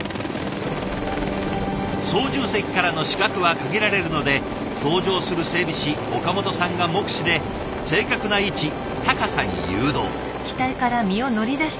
操縦席からの視覚は限られるので同乗する整備士岡本さんが目視で正確な位置高さに誘導。